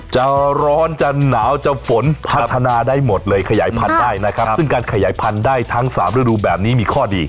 จะร้อนจะหนาวจะฝนพัฒนาได้หมดเลยขยายพันธุ์ได้นะครับซึ่งการขยายพันธุ์ได้ทั้ง๓ฤดูแบบนี้มีข้อดี